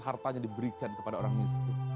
hartanya diberikan kepada orang miskin